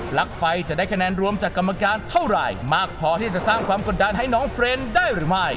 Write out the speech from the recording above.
ลั๊กไฟจะได้คะแนนรวมจากกรรมการเท่าไหร่มากพอที่จะสร้างความกดดันให้น้องเฟรนด์ได้หรือไม่